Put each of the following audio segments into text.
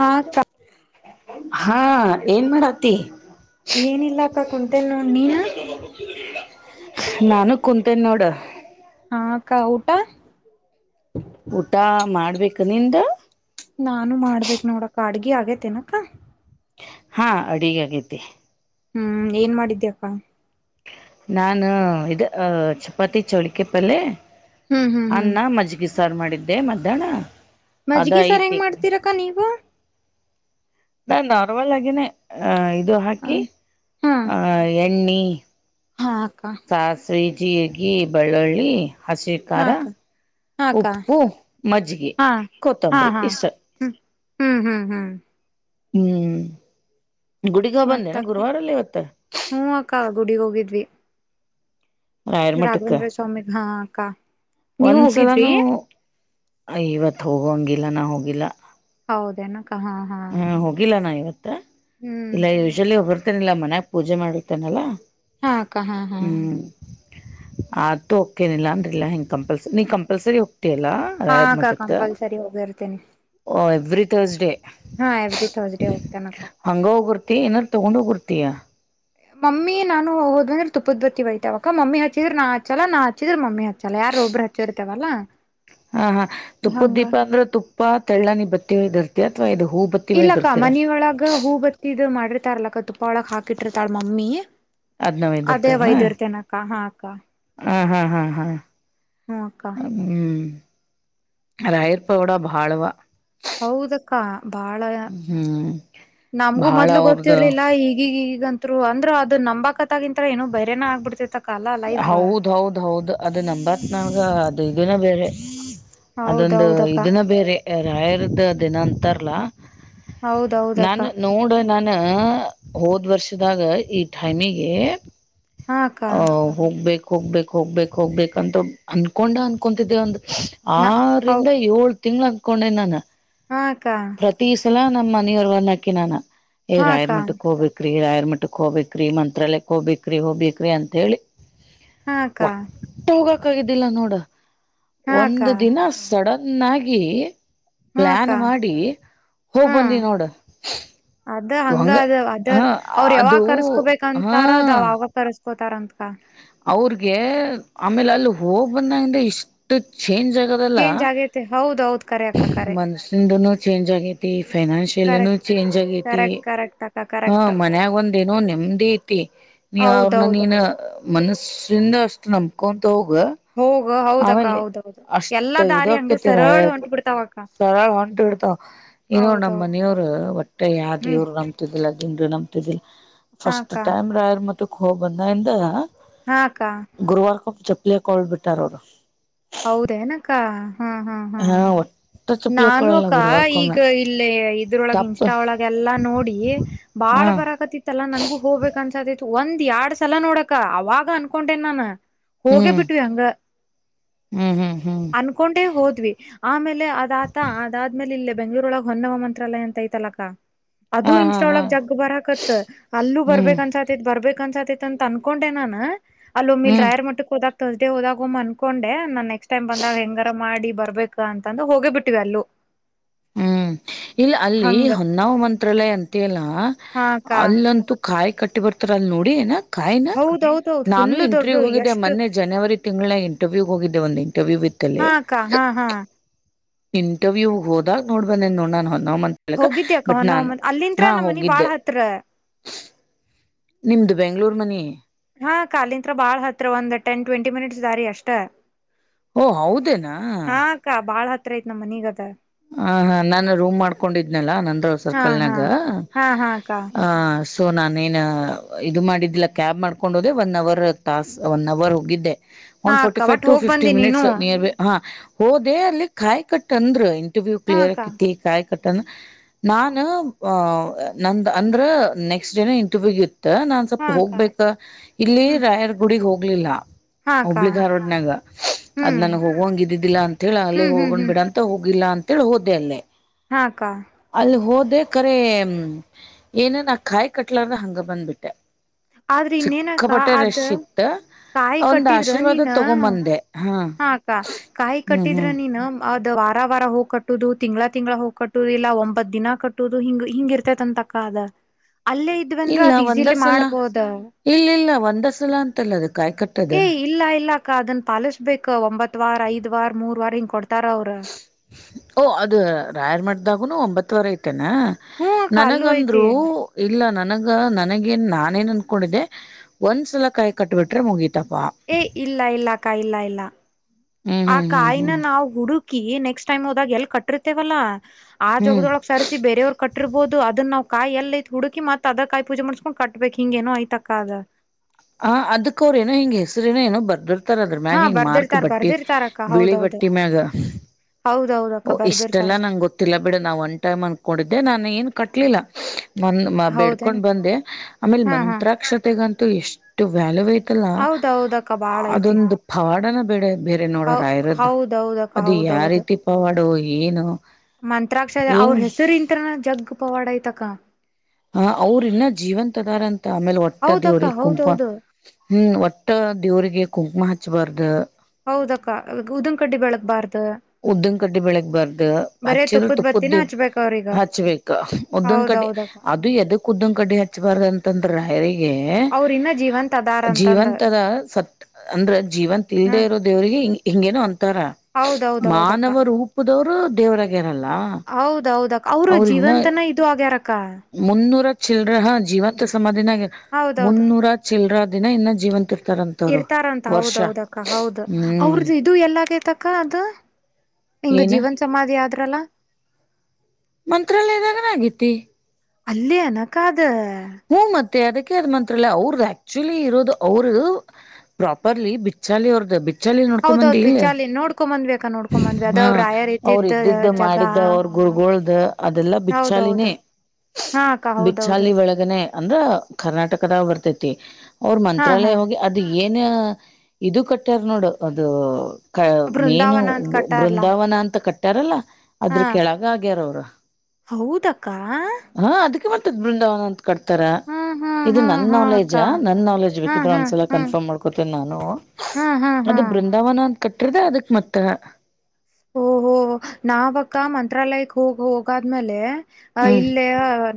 ಹಾ ಅಕ್ಕ ಹಾ ಏನ್ ಮಾಡತಿ ತಕ್ಕ ಕುಂಟೆ ನೋ ನೀಿನ ನಾನು ಕುಂತೇನೆ ನೋಡ ಕೌಟ ಊಟ ಮಾಡ್ಬೇಕು ನಿಂದ ನಾನು ಮಾಡ್ಬೇಕೇಕ್ ನೋಡಕ ಅಡ್ಗ ಆಗೇತನಕ್ಕ ಹಾ ಅಡಿಗ ಆಗತಿ ಹ್ಮ್ ಏನ್ ಮಾಡಿದ್ಯಾಪ್ಪಾ ನಾನು ಇ ಚಪಾತಿ ಚೌಳಿಕೆ ಪಲ್ೆ ಹ್ಮ್ ಹ್ಮ್ ಹ್ಮ್ ಅನ್ನ ಮಜ್ಗಿಸ ಸರ್ವ್ ಮಾಡಿದ್ದೆ ಮಧ್ಯಾಹ್ನ ಅದ ಮಜ್ಗಿ ಸರ್ ಐತಿ ಹೆಂಗ್ ಮಾಡ್ತೀರಕ್ಕ ನೀವು ನಾ ನಾರ್ಮಲ್ ಆಗಿನೇ ಆ ಇ ಹಾಕಿ ಹಾ ಆ ಎಣ್ಣೆ ಹಾ ಅಕ್ಕ ಸಾಸಿವೀ ಜೀರಿಗೆ ಬೆಳ್ಳಳ್ಳಿ ಹಸಿ ಹಾ ಖಾರ ಅಕ್ಕ ಹಾ ಅಕ್ಕ ಉಪ್ಪು ಮಜ್ಿಗೆಿ ಹಾ ಹಾ ಕೊತ್ತಂಬರಿ ಹಾ ಇಷ್ಟ ಹ್ಮ್ ಹ್ಮ್ ಹ್ಮ್ ಹ್ಮ್ ಹ್ಮ್ ಗುಡಿಗ ಮತ್ತ ಬಂದೆನಾ ಅಕ್ಕ ಗುರುವಾರಲ್ಲಿ ಇವತ್ತ ಹ್ಮ ಅಕ್ಕ ಗುಡಿಗ್ ಹೋಗಿದ್ವಿ ರಾಯರ ರಾಘವೇಂದ್ರ ಸ್ವಾಮಿ ಹಾಕಾ ಒಂದ್ಸಲಾನೂ ಇವತ್ ಹೋಗಂಗಿಲ್ಲ ನಾ ಹೋಗಿಲ್ಲ ಹೌದನ ಹಾ ಹೋಗಿಲ್ಲ ನಾ ಇವತ್ತ ಹ್ಮ್ ಇಲ್ಲ ಯೂಶಲಿ ಹೋಗಿರ್ತೇನಿಲ್ಲ ಮನ್ ಪೂಜೆ ಮಾಡಿರ್ತೇಾನಲ್ಲಾ ಹಾ ಅಕ್ಕ ಹಾ ಹಾ ಆತು ಓಕೆ ನಿಲ್ಲ ಅನ್ರಿಿಲ್ಲ ಹಿಂಗೆ ಕಂಪಲ್ಸ್ ನೀ ಕಂಪಲ್ಸರಿ ೆ ಲ್ಲ ಹಾ ರಾಯ ಅಕ್ಕ ಮಟ್ಟದ ಕಂಪಲ್ಸರಿ ಎವ್ರಿ ತರ್ಸ್ಡೇ ಹಾಂವರಿ ಥರ್ಸ್ಡೆ ೋಗತನಕ ಹಂಗ ಹೋಗಿರ್ತಿ ಏನಾದಾರರು ತೊಗೊಂಡ್ ಹೋಗಿರ್ತಿಯಾ ಮಮ್ಮಿ ನಾನು ಹೋದ್ ಅಂದ್ರೆ ತುಪ್ಪದ ಬತ್ತಿ ಬಯತವಕ್ಕ ಮಮ್ಮಿ ಹಚ್ಚಿದ್ರ ನಾ ಹಚ್ಚಲ್ಲ ನಾ ಹಚ್ಚಿದ್ರ ಮಮ್ಮಿ ಹಚ್ಚಲ್ಲ ಯಾರ ಒಬ್ರು ಹಚ್ಚಿರ್ತೇವಲ್ಲಾ ಹಾ ಹಾ ತುಪ್ಪದ ದೀಪ ಅಂದ್ರೆ ತುಪ್ಪ ತೆಳ್ಳನಿ ಬತ್ತಿರ್ತಿ ಅಥವಾ ಇದು ಹೂ ಬತ್ತಿ ಇಲ್ಲಕ್ಕ ಒಯ್ದಿರ್ತೀರ ಮನಿಯೊಳಗ ಹೂ ಬತ್ತಿದ ಮಾಡಿರ್ತಾರಲಕ್ಕ ತುಪ್ಪ ಒಳಗ ಹಾಕಿಟ್ಟಿರ್ತಾಳ ಮಮ್ಮಿ ಅದನಾವೈ ಅದೇ ದಡ್ತಾರಣ ವೈದಿರ್ತೇನಕ್ಕ ಹಾ ಅಕ್ಕ ಹ ಹಾ ಹಾ ಹಾ ಹ್ಮಕ್ಕ ರಾಯರ ಪವಾಡ ಬಾಳವ. ಹೌದಕ್ಕ. ಬಾಳ ಹ್ಮ್ ನಮ್ಗೂ ಬಹಳ ಮೊದ್ಲು ಅವ್ರ್ದ ಗೊತ್ತಿರ್ಲಿಲ್ಲ ಈಗೀಗ ಗಂತ. ಅಂದ್ರು ಅಂದ್ರ ಅದ ನಂಬಕ ಗಂತ ಏನು ಬೇರೇನ ಆಗ್ಬಿಡ್ತೇತಿ. ಹೌದ ಹೌದ್ ಹೌದ ಅದ ನಂಬತ್ ನಗ ಅದು ಇದನ್ನ ಬೇರೆ. ಅದೊಂದು ಹೌದೌದಕ್ಕ ಇದನ್ನ ಬೇರೆ ರಾಯರದ ದಿನ ಅಂತಾರಲ್ಲಾ. ಹೌದೌದ ಅಕ್ಕ. ನಾನ ಹೋದ್ ವರ್ಷದಾಗ ಈ ಟೈಮಿಗಿ. ಹಾ ಅಕ್ಕಾ. ಬೇಕ್ ಹೋಗ್ಬೇಕೇಕ್- ಹೋಗ್ಬೇಕಕ್- ಹೋಗ್ಬೇಕ ಅಂತ ಅನ್ಕೊಂಡ ಅನ್ಕೊತಿಂದೆ ಒಂದ. ನ ಹೌ ಆರಿಂದ ಏಳ್ ತಿಂಗಳ ಅನ್ಕೊಂಡೆ ನಾನು. ಹಾ ಆಕ್ಕಾ. ಪ್ರತಿ ಸಲ ನಮ್ಮ ಮನೆಯವರ್ ಅನಾಕಿ ನಾನ ಹಾ ರಾ ಅಕ್ಕ ಯರ್ ಮಠಕ್ಕೆ ಹೋಗ್ಬೇಕು. ರಿ ರಾಯರ್ ಮಠಕ್ಕೆ ಹೋಗ್ಬೇಕ್ರಿ ಮಂತ್ರಾಲಯಕ್ ಹೋಗ್ಬೇಕ್ರಿ ಹೋಗ್ಬೇಕ್ರಿ ಅಂತ ಹೇಳಿ ಹಾ ಅಕ್ಕಾ. ಅದಕಗಿದ್ದಿಲ್ಲ ನೋಡ ಅಕ್ಕ ಒಂದು ದಿನ ಸಡನ್ ಆಗಿ. ಹಾ ಅಕ್ಕ ಪ್ಲಾನ್ ಮಾಡಿ ಹಾ ಹೋಗ್ ಬಂದಿನೀ ನೋಡ. ಅದ ಹಂಗ ಅದ ಅದ ಹ ಅವ್ರು ಅದು ಯಾವಾಗ ಕರ್ಸ್ಕೋಬೇಕಂತಾರ ಅದ ಅವಾಗ ಕರ್ಸ್ಕೋತಾರ ಅಂತ. ಅವ್ರಗೆ ಆಮೇಲೆ ಅಲ್ಲಿ ಹೋಗ್ ಬಂದಂಗ ಇಷ್ಟ. ಚೇಂಜ್ ಆಗದಲ್ಲ ಚೇಂಜ್ ಆಗೇತೆ ಹೌದ್ ಹೌದ್ ಕರೆ ಅಕ್ಕ ಕರೆ ಮನಸಲಿಂದನು ಚೇಂಜ್ ಆಗತಿ ಫೈನಾನ್ಸಿಯಲ್. ಎಲ್ಲ ಕರೆಕ್ಟ್ ಚೇಂಜ್ ಆಗತಿ ಕರೆಕ್ಟ್ ಕರೆಕ್ಟ್ ಅಕ್ಕ ಹ ಕರೆಕ್ಟ್ ಮನ್ಯಾಗ ಒಂದೇನೋ ಹ್ಮ್ ನೆಮ್ಮದಿ ಐತಿ. ನೀ ಅವ್ರನ್ನ ನೀನ ಹೌದೌದೌದು ಮನಸ್ಸಿಂದ ಅಷ್ಟು ನಂಬಕೊಂತ ಹೋಗ. ಹೋಗ ಹೌದಕ್ಕ ಆಮೇಲೆ ಹೌದೌದು ಅಷ್ಟ ಎಲ್ಲಾ ದಾರಿ ಹಂಗ ಇದಹಕತಿ ಏನ ಸರಳ ಹೊಂಟ್ ಬಿಡ್ತಾವಕ್ಕ ಸರಳ ಹೊಂಟ ಬಿಡ್ತ. ಇನ್ನೋ ನಮ್ಮ್ ಹೌದೌದು ಮನೆಯವರು ಒಟ್ಟೆ ಹ್ಮ್ ಯಾದಿವರು ಅಂತಿದೀಲ್ಲ. ನಂಬತಿದಿಲ್ಲ ಹಾ ಫಸ್ಟ್ ಅಕ್ಕ ಟೈಮ್ ರಾಯರ್ ಮಠ ಕ್ ಹೋಗ ಬಂದಂಗಿಂದ. ಹಾ ಅಕ್ಕ ಗುರುವಾರಕ ಒಮ್ಮೆ ಚಪ್ಪಲಿ ಹಾಕದ ಬಿಟ್ಟಾರ ನೋಡ. ಹೌರ ಏನಕ್ಕ [inaudible] ಹ್ಮ ಒಟ್ಟ ಚಪ್ಪಲಿ ನಾನು ಹಾಕೊಳಲ್ಲ ಅಕ್ಕ ಈಗ ಗುರುವಾರಕೊಮ್ಮೆ ಇಲ್ಲ ಇದ್ರೊಳಗ ತಪ್ಪ ಇನ್ಸ್ಟಾ ಒಳಗೆ ಎಲ್ಲಾ ನೋಡಿ. ಹೆ ಬಾಳ ಹಾ ಬರಕತಿತ್ತಲ್ಲಾ ನನ್ಗು ಹೋಗ್ಬೇಕ ಅನ್ಸಕಾತಿತ್ತು. ಒಂದ್ ಎರಡ್ ಸಲ ನೋಡಕ ಅವಾಗ ಅನ್ಕೊಂಡೇನ್ ನಾನ ಹೋಗೇ ಹ್ಮ್ ಬಿಟ್ವಿವಿ ಹಂಗ. ಹ್ಮ್ ಹ್ಮ್ ಹ್ಮ್ ಅನ್ಕೊಂಡವಿ ಹೋದ್ವಿ ಆಮೇಲೆ ಅದಾತ ಅದಾದ್ಮೇ. ಇಲ್ಲೇ ಬೆಂಗಳೂರೊಳಗ ಹೊನ್ನವ ಮಂತ್ರಾಲಯ ಅಂತ ಐತಲಕ್ಕಾ. ಅದು ಹಾ ಹಾ ಹಾ ಇನ್ಸ್ಟಾದೋಳಗ್ ಜಗ್ ಬರಕತ್ ಅಲ್ಲೂ ಹ್ಮ್ ಬರ್ಬೇಕಕ್ ಅನ್ಸತ್ ಬರ್ಬೇಕ. ಅನ್ಸಾಕತೈತಿ ಅನ್ಕೊಂಡೆ ನಾನ ಅಲ್ಲಿ ಒಮ್ಮ ಇಲ್ಲಿ ಹ್ಮ್ ರಾಯರ್ ಮಠಕ್ಕೆ ಹೋದಾಗ ತರ್ಸ್ಡೇ ಹೋದಾಗ ಒಮ್ಮ್ ಅನ್ಕೊಂಡ. ನಾನ್ ನೆಕ್ಸ್ಟ್ ಟೈಮ್ ಬಂದಾಗ ಹೆಂಗಾರ ಮಾಡಿ ಬರ್ಬೇಕ ಅಂತಂದ ಹೋಗೇ ಬಿಟ್ಟಿವ ಅಲ್ಲು. ಹ್ಮ್ ಇಲ್ಲ ಅಲ್ಲಿ ಹೊನ್ನಾವ ಮಂತ್ರಾಲಯ ಅಂತ ಅಲ್ಲ ಹಾ ಅಕ್ಕ ಅಲ್ಲಂತು. ಕಾಯಿ ಕಟ್ಟಿ ಬರ್ತಾರ ಅಲ್ ನೋಡಿ ಏನ ಕಾಯಿನ ಹೌದೌದೌದ್ ನಾನು ಫುಲ್ಲು ದೊಡ್ಡ ಇಂಟರ್ವ್ಯೂ ಹೋಗಿದ್ದೆ ಎಷ್ಟು ಮೊನ್ನೆ ಜನವರಿ ತಿಂಗಳ ಇಂಟರ್ವ್ಯೂ ಹೋಗಿದ್ದೆ ಒಂದು ಇಂಟರ್ವ್ಯೂವಿತ್ತಲ್ಲೀ. ಹಾ ಅಕ್ಕ ಹಾ ಹಾ ಇಂಟರ್ವ್ಯೂ ಹೋದಾಗ ನೋಡ್ಬಂದೇನ್ ನೋಡ ನಾನ ಹೊಲ ಹೋಗಿದ್ದೆ [unintelligible] ಅಕ್ಕ ಬಟ್ ಹೊನ್ನ ನಾನ ಒಮ್ಮನ್ ಅಲ್ಲಿಂತ್ರ ಹಾ ನಮ್ ಮನಿ ಬಾಳ್ ಹೋಗಿದ್ದೆ. ಹತ್ರ ನಿಮದ ಬೆಂಗ್ಳೂರು ಮನಿ. ಹಾ ಅಕ್ಕ ಅಲಿತ್ರ ಬಾಳ್ ಹತ್ರ ಒಂದ್ ಟೆನ್ ಟ್ವೆಂಟಿ ಮಿನಿಟ್ಸ್ ದಾರಿ ಅಷ್ಟ. ಓ ಹೌದೇನಾ. ಅತ್ರ ನಮ್ಮ ಮನಿಗತ್ರ ಹ ಹ ನಾನು ರೂಮ್ ಮಾಡ್ಕೊಂಡಿದ್ನಲ್ಲ ನಂದ್ರ ಹಾ ಹಾ ಸರ್ಕಲ್ನಾಗ. ಹಾ ಹಾ ಅಕ್ಕ ಹ ಹ ತೋ ನಾನೇನು ಇದು ಮಾಡಿದ್ದಿಲ್ಲ ಕ್ಯಾಬ್ ಮಾಡ್ಕೊಂಡು ಹೋದೆೇ ಒನ್ ಅವರ್ ತಾಸು ಒನ್ ಅವರ್ ಹೋಗಿದ್ದೆ. ಒನ ಹಾ ಫೋರ್ಟಿ ಅಕ್ಕ ಫೈವ್ ಒಟ್ ಟು ಹೋಗ್ ಫಿಫ್ಟಿ ಬಂದಿ ನೀನು ಮಿನಿಟ್ಸ್ ನಿಯರ್ ಬಿ ಹಾ ಹೋದೇ ಅಲ್ಲಿ ಕಾಯಿ ಕಟ್ಟಂದ್ರ ಹ. ಟುಿ ಹಾ ಕ್ಲಿಯರ್ ಅಕ್ಕ ೀ ಆ ಕಟ್ಟ ನಾನು ನ ಅಂದ್ರ ನೆಕ್ಸ್ಟ್ ಡೇನ ಇಂಟರ್ವ್ಯೂ ಇ ತ್ತ ನಾನ್ ಹಾ ಸ್ವಪ ಅಕ್ಕ ಹೋಗ್ಬೇಕ ಇಲ್ಲಿ ಹ್ಮ್ ರಾಯರ್ ಗುಡಗ್ ಹೋಗ್ಲಿಲ್ಲ ಹಾ ಅಕ್ಕ ಹಬ್ಳಿಗ್ ಹಾರಡ್ನಾಗ ಅದ್ ಹ್ಮ್ ನನ್ ಹೋಗಂಗ ಇದಿದ್ದಿಲ್ಲಾ ಅಂತ ಹೇಳಿ ಅಲ್ಲೇ ಹ್ಮ್ ಹ್ಮ್ ಹೋಗೊಂಡ್ ಹ್ಮ್ ಬಿಡಂತೋಗ ಹೋಗಿಲ್ಲ ಅಂತೇಳಿ ಹೋದೆ ಅಲ್ಲೇ ಹಾಕ್ಕ ಅಲ್ಲಿ ಹೋದೆ ಕರ ಏನ ನ ಕಾಯಿ ಕಟ್ಲಾರ್ರ ಹಂಗ ಬಂದ್ಬಿಟ್ಟೆ ಆದ್ರ ಇನ್ನೇನಕ್ಕ ಚಿಕ್ಕಪಟ್ಟೆ ರೆಶ ಅದ್ ಇತ್ತ ಒಂದ್ ಆಶೀರ್ವಾದ ತಗೊಂಬಂದೆ ಹಾ ಹಾಕ್ಕ ಕಾಯಿ ಹ್ಮ್ ಕಟ್ಟಿದ್ರ ಹ್ಮ್ ನೀನ್ ಅ ವಾರ ವಾರ ಹೋಗ್ ಕಟ್ಟುದು ತಿಂಗಳ ತಿಂಗ್ಗಳ ಹೋಗಿ ಕಟ್ಟುದು ಇಲ್ಲ ಒಂಬತ್ ದಿನ ಕಟ್ಟುದು ಹಿಂಗ್ ಹಿಂಗ ಇರತೆ ಅಂತಕ ಅದ ಅಲ್ಲೇ ಇದ್ವನ್ರು ಇಲ್ಲ ಅದ್ ಈಸಿಲಿ ಮಾಡ್ಬೋದ ಅಂಡಸುಲ ಅಂತ ಅಲ್ಲ ಅ ಏ ಇಲ್ಲ ಇಲ್ಲ ಅಕ್ಕ ಅದನ್ ಪಾಲಿಸ್ಬೇಕ ಒಂಬತ್ ವಾರ ಐದ ವಾರ ಮೂರ್ ವಾರ ಹಿಂಗ ಕೊಡ್ತ ಓ ಅದ ರಾಯರ್ ಮಾಡ್ದಾಗುನು ಒಂಬತ್ತವರ ಐತೆ ಹ್ಮ ಅಕ್ಕ ಅಲ್ಲೂ ಐತಿ ನನಗಂದ್ರು ಇಲ್ಲ ನ ನನಗ ನನಗ ನಾನ ಏನ್ ಅನ್ಕೊಂಡಿದ್ದೆ ಒಂದ್ ಸಲ ಕಾಯಿ ಕಟ್ಟಬಿಟ್ರೆ ಮುಗ ಏ ಇಲ್ಲ ಇಲ್ಲ ಕಾಯ ಇಲ್ಲ ಇಲ್ಲ ಹ್ಮ್ ಆ ಹ್ಮ್ ಹ್ಮ್ ಕಾಯಿನ ಹ್ಮ್ ನಾವು ಹುಡು ರುಕಿ ನೆಕ್ಸ್ಟ್ ಟೈಮ್ ಹೋದಾಗ ಎಲ್ ಕಟ್ಟಿರ್ತೇವಲ್ಲಾ ಆ ಹ್ಮ್ ಜಗದೊಳಗ್ ಸರಿಸಿ ಬರೆಯವ್ರರು ಕಟ್ಟಿರ್ಬೋದು ಅದನ್ನ ನಾ ಕಾಯಿ ಎಲ್ಲ ಐತ್ ಹುಡುಕಿ ಮತ್ದ ಕಾಯಿ ಪೂಜೆ ಮಾಡ್ಸ್ಕೊಂಡ್ ಕಟ್ಬಬೇಕಕ್ ಹಿಂಗೇನೋ ಯ್ತಕ್ಕದ ಹ ಅದ್ಕ್ ಅವ್ರೇನೋ ಹಿಂಗ ಹೆಸ್ರೇನ ಏೋ ಬರ್ದರ್ ಹತರ ಅದ್ರ ಮ್ಯಾಗ ಹಾ ಹಿಂಗ ಮಾರ್ಕ್ ಬರ್ದಿರ್ತಾರ ಬಟ್ಟಿ ಬರ್ದಿರ್ತಾರಕ್ಕ ಬಿಳಿ ಹೌದೌದು ಬಟ್ಟೆ ಮ್ಯಾಗ ಹೌದೌದಕ್ಕ ಓ ಬರ್ದಿರ್ತಾರ ಇಷ್ಟೆಲ್ಲಾ ನಂಗೆ ಗೊತ್ತಿಲ್ಲ ಬಿಡ ನಾವ್ ಒಂದ ಟೈಮ್ ಅನ್ಕೊಂಡಿದ್ದೆ ನಾನು ಏನ್ ಕಟ್ಲಿಲ್ಲ ಮ ಹೌದೇನ್ ಬೆಡ್ಕೊಂಡ್ ಬಂದೆ ಆಮೇಲೆ ಹಾ ಹಾ ಮಂತ್ರಾಕ್ಷತೆಗಂತೂ ಎಷ್ಟು ವ್ಯಾಲ್ಯೂ ಐ ಲ್ಲ ಹೌದೌದಕ್ಕ ಬಾಳ ಐತಿ ಅದೊಂದು ಪವಾಡನ ಬೇಡ ಬೇರೆ ಹೌ ನೋಡೋರ ಇರೋದ್ ಹೌದೌದಕ್ಕ ಅದು ಯಾವ ರೀತಿ ಪವಾಡೋ ಏನು ಮಂತ್ರಾಕ್ಷರ ಏನ್ ಅವ್ರ ಹೆಸರು ಇಂತ್ರನ ಜಗ್ ಪವಾಡಯ್ತಕ ಹ ಅವ್ರ ಇನ್ನ ಜೀವಂತದಾರಂತ ಆಮೇಲೆ ಒಟ್ಟದ ಹೌದಕ್ಕ ದೇವ್ರಿ ಕುಂಕ ಹೌದೌದು ಹ್ಮ್ ಒಟ್ಟ ದೇವ್ರಿಗೆ ಕುಂಕುಮ ಹಚ್ಬಾರ್ದ ಹೌದಕ್ಕ ಉದನ್ಕಡ್ಡಿ ಬೆಳಗ್ ಬಾರ್ದು ಉದ್ದನ್ ಕಡ್ಡಿ ಬೆಳಗ್ ಬಾರ್ದ ಬರೇ ಹಚ್ಚಿದ ತುಪ್ಪದ ಬತ್ತಿನ ತುಪ್ಪದ್ದಿ ಹಚ್ಬೇಕ ಅವ್ರೀಗ ಹಚ್ಬೇಕ ಉದ್ದನ್ ಕಡ್ಡಿ ಹೌದೌದಕ್ಕ ಅದು ಎದಕ್ ಉದ್ದನ್ ಕಡ್ಡಿ ಹಚ್ಬಾರ್ದ ಅಂತಂದ್ರೀ ಅವ್ರ ಇನ್ನ ಜೀವಂತ ಅದಾರ ಅಂತಂದ ಜೀವಂತದ ಸತ್ ಅಂದ್ರ ಜೀವಂತ ಹ್ಮ ಇಲ್ದೆೇ ಇರೋ ದೇವ್ರಿಗೆ ಹಿಂಗೇನೋ ಒಂತರ ಹೌದೌದೌದಕ್ಕ ಮಾನವ ರೂಪದವರು ದೇವರಾಗಿರಲ್ಲ ಹೌದೌದ ಅವ್ರ ಜೀವಂತನ ಇದು ಆಗ್ಯಾರಕ್ಕ ಮುನ್ನೂರ ಚಲ್ರ ಹಾ ಜೀವಂತ ಸಮಧಿನ ಆಗ ಹೌದೌದು ಮುನ್ನೂರ ಚಲ್ರ ದಿನ ಇನ್ನು ಜೀವಂತ ಇರ್ತಾರಂತವ್ರು ಇರ್ತಾರಂತ ವರ್ಷ ಹೌದೌದ ಅಕ್ಕ ಹೌದು ಹ್ಮ್ ಅವ್ರ್ದ ಇದು ಎಲ್ಲಾಗೈತಕ್ಕ ಅದು ಹಂಗ ಏನ ಜೀವನ್ ಸಮಾಧಿ ಯ್ರಲ್ಲ ಮಂತ್ರಾಲಯದ ಕ ಗತಿ ಅಲ್ಲಿ ಅನಕಾದ ಹ್ಮ್ ಮತ್ತೆ ಅದಕ್ಕೆ ಅದ್ ಮಾಂತ್ರ ಅಲ್ಲ ಅವ್ರದ ಆಕ್ಚುಲಿ ಇರೋದು ಅವ್ರ ಪ್ರಾಪರ್ಲಿ ಬಿಚ್ಚಾಲಿ ಅವ್ರ್ದ ಬಿ ಚಳ ನೋಡ್ಕೊ ಬಂದಿ ಹೌದೌದ್ ಬಿಚಾಲಿ ನೋಡ್ಕೊ ಬಂದ್ಬೇಕಾ ನೋಡ್ಕೊ ಬಂದ್ವಿ ಅದ ಹಾ ಅವ್ರ ರಾಯರ್ ಅವರು ಇದ್ದಿದ್ದ ಜಗ ಮಾಡಿದ್ದ ಅವ್ರಗು ಕುರ್ಗೊಳ್ದ ಅದೆಲ್ಲಾ ಹೌದೌದು ಬಿಚ್ಚಾಲಿನೇ ಹಾ ಅಕ್ಕ ಹೌದೌದು ಬಿಚ್ಚಾಲಿ ಒಳಗನೆ ಅಂದ್ರ ಕರ್ನಾಟಕದ ಬರ್ತೈತಿ ಅವ್ರ ಹಾ ಹಾ ಮಂತ್ರಾಲಯ ಹಿ ಅದ ಏನ ಇದು ಕಟ್ಟ್ಯಾರ ನೋಡು ಅದು ಕ ಮೇನು ಬೃಂದಾವನ ಅಂತ ಕಟ್ಟಾರಲ್ಲ ಬೃಂದಾವನ ಅಂತ ಕಟ್ಟಾರಲ್ಲ ಅದ್ರ ಹಾ ಕೆಳಗ ಆಗ್ಯಾರ ಅವ್ರ ಹೌದಕ್ಕ ಹ ಅದಕ್ಕೆ ಮತ್ತದ್ ಬೃಂದಾವನ ಅಂತ ತ್ತರ ಹಾ ಹಾ ಇದು ಹಾ ನನ್ ಹಾ ನಾಲೆಡ್ಜ್ ಅಕ್ಕ ನನ್ ನಾಲೆಡ್ಜ್ ಹಾ ಬೇಕಿದ್ರೆ ಹಾ ಒಂದ್ಸಲ ಹಾ ಕನ್ಫರ್ಮ್ ಮಾಡ್ಕೋತೇನಿ ನಾನು ಹಾ ಹಾ ಹಾ ಅದು ಬೃಂದಾವನ ಅಂತ ಕಟ್ಟ್ರದ ಅದಕ್ ಮತ್ತ ಓಹೋ ನಾವಕ್ಕ ಮಂತ್ರಾಲಯಕ್ ಹೋಗ ಹೋಗಾದ್ಮೇಲೆ ಅ ಹ್ಮ್ ಇಲ್ಲೇ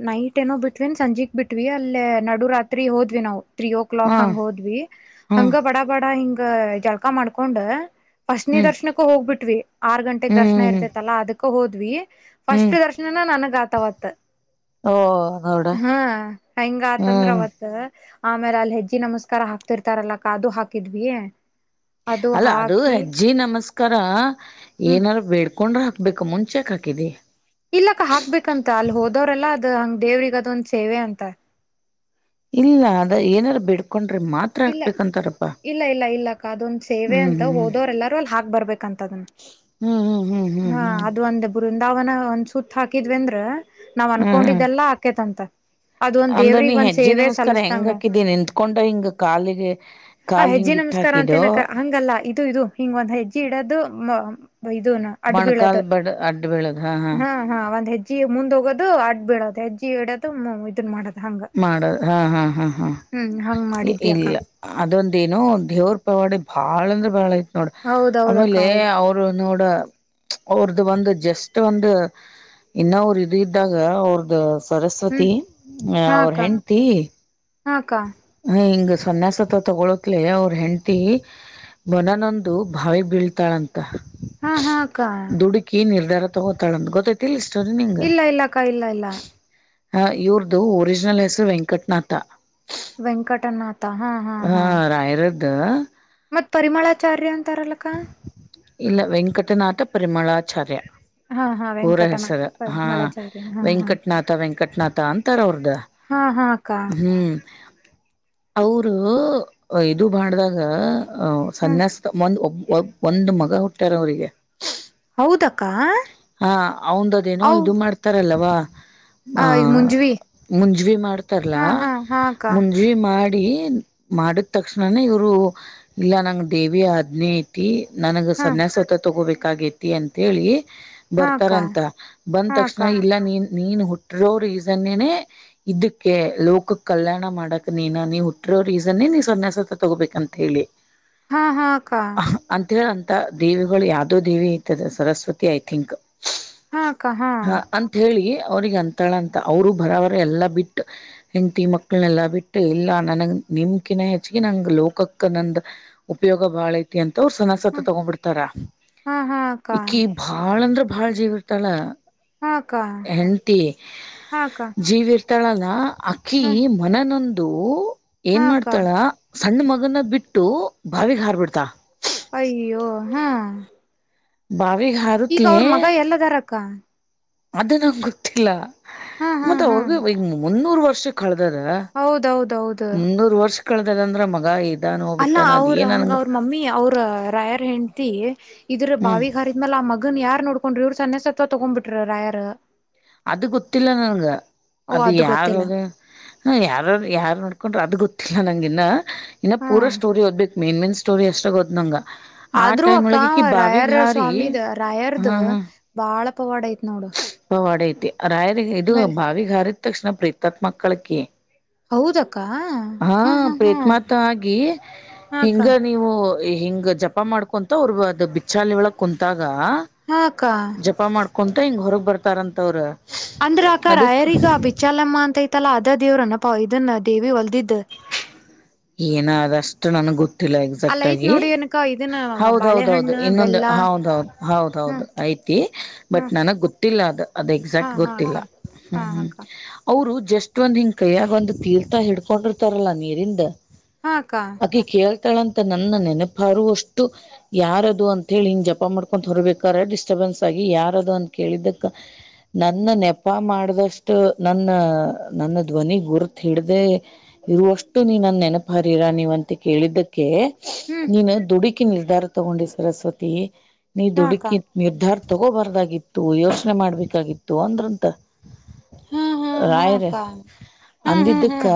ನೈಟ್ ಏನೋ ಬಿಟ್ವಿನ್ ಸಂಜೆಗ್ ಬಿಟ್ವಿ ಅಲ್ಲೇ ನಡುರಾತ್ರಿ ಹೋದ್ವಿ ನಾವು ತ್ರೀ ಓ ಹಾ ಕ್ಲಾಕ್ ಹಂಗ ಹೋದ್ವಿ ಹಾ ಹಂಗ ಬಡ ಬಡ ಹಿಂಗ ಜಳ್ಕಾ ಮಾಡ್ಕೊಂಡ ಫಸ್ಟ್ ಹ್ಮ್ ದರ್ಶನಕ್ಕೂ ಹೋಗ್ಬಿಟ್್ವಿ ಆರ್ ಗಂಟೆೆಗೆ ದರ್ಶನ ಹ್ಮ್ ಇರ್ತೈತಲ್ಲಾ ಅದಕ್ಕ ಹೋದ್ವಿ ಫಸ್ಟ್ ಹ್ಮ್ ದರ್ಶನನ ನನ ಗ ಆತ ವತೆ ಓ ನೋಡ ಹಾ ಹಿಂಗ ಹ್ಮ್ ಆತಂದ್ರವತ್ ಆಮೇಲೆ ಅಲ್ಲಿ ಹೆಜ್ಜಿ ನಮಸ್ಕಾರ ಹಾಕ್ತಿರ್ತಾರಲ್ಲ ಅದು ಹಾಕಿದ್ವಿ ಅಲ್ಲ ಅದು ಹೆಜ್ಜಿ ನಮಸ್ಕಾರ ಕರ ಹ್ಮ್ ಏನಾರ ಬೇಡ್ಕೊಂಡ್ರ ಹಾಕ್ಬೇಕು ಮುಂಚೆಕ್ ಹಾಕಿದಿ ಇಲ್ಲಾಕ್ಕ ಹಾಕ್ಬೇಕಂತ ಅಲ್ಲಿ ಹೋದವ್ರಲ್ಲಾ ಅದ ಹಂಗ ದೇವ್ರಿಗ ಅದೊಂದ ಸೇವೆ ಅಂತ ಇಲ್ಲ ಅದ ಏನಾರು ಬಿಡ್ಕು ಇಲ್ಲ ಇಲ್ಲ ಇಲ್ಲ ಇಲ್ಲಕ್ಕ ಅದುೊಂದು ಸೇವೆ ಹ್ಮ್ ಅಂತ ಹೋದೋರೆ ಎಲ್ಲಾರೂ ಅಲ್ಲಿ ಹಾಕ್ ಬರ್ಬೇಕಂತ ಹ್ಮ್ ಹ್ಮ್ ಹ್ಮ್ ಹ್ಮ್ ಹಾ ಹ್ಮ್ ಅದು ಹ್ಮ್ ಒಂದ ಬೃಂದಾವನ ಒಂದ ಸುತ್ತ ಹಾಕಿದ್ವಿ ಅಂದೆ ನಾವ್ ಹ್ಮ್ ಹ್ಮ್ ಅನ್ಕೊಂಡಿದ್ದೆಲ್ಲಾ ಆಾಕೇತ ಅಂತ ಅದ ಒಂದ್ ಅಂದ್ರ ನೀ ದೇವ್ರಗ್ ಒಂದ್ ಹೆಜ್ಜೆ ಸೇವೆ ನಮಸ್ಕಾರ ಹೆಂಗ್ ಸಲಸ್ದಂಗ ಹಾಕಿದಿ ನಿಂತ್ಕೊಂಡ ಹಿಂಗ ಕಾಲಿಗೆ ಹ ಕಾಲ್ ಹೆಜ್ಜಿ ಹಿಂಗ ಇಟ್ಟ ನಮಸ್ಕಾರ ಹಾಕಿದೋ ಅಂತೇನಕ್ಕ ಹಂಗಲ್ಲ ದು ಇದು ಹಿಂಗ ಒಂದ್ ಹೆಜ್ಜಿ ಇಡದು ಇದೂನು ಅಡ್ ಮೊಣಕಾಲ್ ಬೀಳೋದು ಬಡ್ ಅಡ್ಡ ಬೀಳದ ಹಾ ಹಾ ಒಂದ್ ಹೆಜ್ಜಿ ಮುಂದ ಹೋಗೋದು ಅಡ್ ಬೀಳದು ಹೆಜ್ಜಿ ಇಡೋದು ಇದನ್ ಮಾಡದು ಮಾಡ ಹಾ ಹಾ ಹಾ ಹಾ ಹ್ಮ್ ಹಂಗ್ ಮಾಡಿದ್ವಿ ಅಕ್ಕ ಇಲ್ಲ ಅದೊಂದ ಏನೋ ದೇವ್ರ ಪವಾಡಿ ಬಾಳ ಅಂದ್ರೆ ಬಾಳ ತ ನೋಡ ಹೌದೌದಕ್ಕ ಆಮೇಲೆ ಹೌದು ಅವರು ನೋಡ ಅವ್ರದುು ಬಂದು ಜಸ್ಟ್ ಒಂದು ಇನ್ನ ಅವರು ಇದು ಇದ್ದಾಗ ಅವ್ರ್ದ ಹ್ಮ್ ಸರಸ್ವತಿ ಹ ಹಾ ಅವ್ರ ಅಕ್ಕ ಹೆಂಡ್ತಿ ಹಾ ಅಕ್ಕ ಹಿಂಗ್ ಸನ್ಯಾಸತ್ರ ತಗೊಳಕ್ಲ ಅವ್ರ ಹೆಂಡ್ತಿ ಮನನೊಂದು ಬಾವಿ ಬೀಳ್ತಾಳಂತ ಹಾ ಹಾ ಅಕ್ಕ ದುಡುಕಿ ನಿರ್ಧಾರ ತಗೋತಾಳ ಅಂತ ಗೊತ್ತತಿ ಇಲ್ಲ ಇಲ್ಲಕ್ಕ ಇಲ್ಲ ಇಲ್ಲ ಹ ಇವ್ರದುು ಒರಿಜಿನಲ್ ಹೆಸರು ವೆಂಕಟ್ನಾಥ ವೆಂಕಟನಾಥ ಹಾ ಹಾ ಹಾ ದ ಮತ್ ಪರಿಮಳಾಚಾರ್ಯ ಅಂತಾರಲ್ಲಕ ಇಲ್ಲ ವೆಂಕಟನಾಟ ಪರಿಮಳಾಚಾರ್ಯ ಹಾ ಹಾ ಪೂರ ಹೆಸರ ವೆಂಕಟನಾಥ ಹಾ ಪರಿಮಳಾಚಾರ್ಯ ಹಾ ಹಾ ವೆಂಕಟ್ನಾಥ ವೆಂಕಟ್ನಾಥ ಅಂತಾರ ಅವ್ರದ್ದ ಹಾ ಅಕ್ಕ ಅವರು ಇದು ಮಾಡ್ದಾಗ ಅ ಹ್ಮ ಸನ್ಯಾಸ ಒಂದ್ ಒ ಒಂದ್ ಮಗ ಹುಟ್ಟಾರ ಅವ್ರರಿಗೆ ಹೌದಕ್ಕಾ ಹಾ ಅವಂದದೇನೋ ಇದು ಮಾಡ್ತಾರಲ್ಲವಾ ಹ ಆ ಮುಂಜ್ವಿ ಮುಂಜವಿ ಮಾಡ್ತಾರಲ ಹಾ ಹಾ ಹಾ ಅಕ್ಕ ಮುಂಜವಿ ಮಾಡಿ ಮಾಡಿ ಮಾಡಿದ್ ತಕ್ಷಣನ ಇವರು ಇಲ್ಲ ನಂಗ ದೇವಿಯ ಅದನೇ ಐತಿ ನನಗ ಹಾ ಸನ್ಯಾಸತ್ತ ತಗೋಬೇಕಾಗೈತಿ ಅಂತ ಹೇಳಿ ಹಾ ಅಕ್ಕ ಬರ್ತಾರಂತ ಬಂದ ಹಾ ತಕ್ಷಣ ಅಕ್ಕ ಇಲ್ಲ ನೀನ್ ನೀನ್ ಹುಟ್ಟಿರೋ ರೀಸನ್ ಏನೇ ಇದಕ್ಕೆ ಲೋಕ ಕಲ್ಯಾಣ ಮಾಡಕ್ ನೀನ ನೀ ಹುಟ್ಟ ರೀಸನ್ ಏನೇ ನೀವು ಸನ್ಯಾಸ ತಗೋಬೇಕ ಅಂತ ಹೇಳಿ ಹಾ ಹಾ ಅಕ್ಕ ಅಂತ ಹೇಳ ಅಂತ ದೇವಿಗಳು ಯಾವ್ದೋ ದೇವಿ ಇತದ ಸರಸ್ವತಿ ಐ ತಿಂಕ್ ಹಾ ಅಕ್ಕ ಹಾ ಅಂತ ಹೇಳಿ ಅವ್ರಿಗೆ ಅಂತಾಳ ಅಂತ ಅವರು ಬರೋವರ ಎಲ್ಲ ಬಿಟ್ಟು ಹೆಂಗ್ತಿ ಮಕ್ಕಳನೆಲ್ಲ ಬಿಟ್ಟು ಇಲ್ಲ ನನಗೆ ನಿಮ್ಮ್ಕಿನ್ನ ಹೆಚ್ಚಿಗೆ ನಾಗ್ ಲೋಕಕ್ಕ ನಂದ ಉಪಯೋಗ ಬಾಳ ಐತಿ ಅಂತ ಅವ್ರು ಸನ್ಯಾಸತ್ವ ತಗೊ ಬಿಡ್ತಾರ ಹಾ ಹಾ ಅಕ್ಕ ಇಕಿ ಬಾಳ ಅಂದ್ರ ಬಾಳ ಜೀವ ಇತಾಳ ಹಾ ಅಕ್ಕ ಹೆಂಡ್ತಿ ಹಾ ಅಕ್ಕ [inaudible] ಜೀವಿ [inaudible] ಅಕಿ ಹಾ ಮನನೊಂದು ಹಾ ಏನ್ ಅಕ್ಕ ಮಾಡ್ತಾಳ ಸಣ್ಣ ಮಗನ ಬಿಟ್ಟು ಬಾವಿಗೆ ಹಾರ್ಬಿಡ್ತಳ ಅಯ್ಯೋ ಹಾ ಬಾವಿಗ್ ಈಗ ಅವ್ರ ಮಗ ಎಲ್ಲದಾರಕ್ಕ ಅದ ನಂಗೆ ಗೊತ್ತಿಲ್ಲ ಹಾ ಹಾ ಮತ್ತ ಹಾ ಅವ್ರಗ ಈ ಮುನ್ನೂರು ವರ್ಷ ಹೌದೌದೌದು ಮುನ್ನೂರು ವರ್ಷ ಕಳದಂದ್ರೆ ಅಲ್ಲ ಅವ್ರ ಹಂಗ ಅವ್ರ ಮಮ್ಮಿ ಅವ್ರ ರಾಯರ್ ಹೆಂಡತಿ ಇದ್ರ ಹ್ಮ್ ಬಾವಿಗಾರಿದ್ಮ್ಯಾಲ ಆ ಮಗನ್ ಯಾರ್ ನೋಡ್ಕೊಂಡ್ರಿ ಇವ್ರು ಸಣ್ಣ ಸತ್ವ ತಗೊಂಡ್ಬಿಟ್ರ ರಾಯರ್ ಅದು ಗೊತ್ತಿಲ್ಲ ನನ್ಗೆ ಓ ಅದು ಗೊತ್ತಿಲ್ಲ ಯಾರದ ಹಾ ಯಾರ ಯಾರ ನೋಡ್ಕೊಂಡ್ರರು ಅದ ಗೊತ್ತ ನಂಗ ಇನ್ನ ಇನ್ನ ಪೂರ ಹ್ಮ್ ಸ್ಟೋರಿ ಓದ್ಬೇಕು ಮೇನ್ ಮೇನ್ ಸ್ಟೋರಿ ಅಷ್ಟ ಗೊತ್ತು ನಂಗ ಆ ಅದ್ರು ಟೈಮ್ ಅಕ್ಕ ಒಳಗಕಿ ಬಾವಿಗ್ ರಾಯರ್ ಹಾರಿ ಸ್ವಾಮಿದ ರಾಯರ್ದ ಹಾ ಹಾ ಬಾಳ ಪವಾಡ ಐತೆ ನೋಡು ಪವಾಡ ಐತಿ ರಾಯರಿ ಇದು ಆಮೇಲೆ ಬಾವಿಗೆ ಹಾರಿದ ತಕ್ಷಣ ಪ್ರೆತಾತ್ಮ ಆಗ್ತಾಳೆ ಅಕಿ ಹೌದಕ್ಕ ಹಾ ಪ್ರೇತ್ಮಾತ ಆಗಿ ಹಾ ಅಕ್ಕ ಹಿಂಗ ನೀವು ಹಿಂಗ್ ಜಪ ಮಾಡ್ಕೊಂತ ಅವ್ರ ಅದ ಬಿಚ್ಚಾಲಿ ಒಳಗ್ ಕುಂತಾಗ ಹಾ ಅಕ್ಕ ಜಪ ಮಾಡ್ಕೊಂತ ಹಿಂಗ ಹೊರಗ್ ಬರ್ತಾರಂತ ಅವ್ರು ಅಂದ್ರ ಅಕ್ಕ ರಾಯರಿಗ ಆ ಬಿಚ್ಚಾಲಮ್ಮ ಅಂತೈತಲ್ಲಾ ಅದ ದೇವ್ರನಪ್ಪ ಇದನ್ನ ದೇವಿ ಹೊಲ್ದಿದ್ದ ಏನ ಅದಷ್ಟು ನನ್ಗ್ ಗೊತ್ತಿಲ್ಲ ಅಲ್ಲ ಎಕ್ಸಾಕ್ಟ್ ಐತ್ ಆಗಿ ನೋಡಿ ಏನಕ್ಕ ಇದನ್ನ ಹೌದ ಹೌದೌದು ಬಾಳೆಹಣ್ಣ ಇನ್ನೊಂದು ಬೆಲ್ಲ ಹೌದ್ ಹೌದು್ ಹೌದ್ ಹೌದು ಹ್ಮ್ ಐತಿ ಹ್ಮ ಬಟ್ ನನಗ್ ಗೊತ್ತ ಅದು ಹಾ ಎಕ್ಸಾಕ್ಟ್ ಹಾ ಗೊತ್ತಿಲ್ಲ ಅಕ್ಕ ಹಾ ಹ್ಮ್ ಅಕ್ಕ [inaudible] ಅವರು ಜಸ್ಟ್ ಒಂದ ಹಿಂಗ್ ಕೈಯಾಗ ಒಂದು ತೀರ್ಥ ಹಿಡ್ಕೊಂಡಿರ್ತಾರಲ್ಲಾ ನೀರಿಂದ ಹಾ ಅಕ್ಕ ಅಕಿ ಕೇಳ್ತಾ ನನ್ನ ನೆನಪಾರ ಅಷ್ಟು ಯಾರ ಅದು ಅಂತ ಹಿಂಗೇ ಜಪ ಮಾಡ್ಕೊಂಡು ಹೊರಬೇಕಾದ ಡಿಸ್ಟರ್ಬೆನ್ಸ್ ಆಗಿ ಯಾರದು ಅಂತ ಕೇಳಿದ್ದಕ್ಕ ನನ್ನ ನೆಪ ಮಾಡ್ದಷ್ಟು ನನ್ನ ನನ್ನ ಧ್ವನಿ ಗುರಿತು ಹಿಡ್ದ ಇರುವಷ್ಟು ನೀನ್ನ ನೆನಪ ಹರಿರ ನೀವು ಅಂತ ಕೇಳಿದ್ದಕ್ಕೆ ಹ್ಮ್ ನೀನು ದುಡುಕಿ ನಿರ್ಧಾರ ತಗೊಂಡಿ ಸರಸ್ವತಿ ನೀ ಹಾ ಅಕ್ಕ ದುಡುಕಿ ನಿರ್ಧಾರ ತಗೋಬಾರಾಗಿತ್ತು ಯೋಚನೆ ಮಾಡ್ಬೇಕಾಗಿತ್ತು ಅಂದ್ರಂತ ಹಾ ಹಾ ಹಾ ರಾಯರು ಅಕ್ಕ ಹ್ಮ್ ಹ್ಮ್ ಅಂದಿದ್ದಕ್ಕ ಹ್ಮ್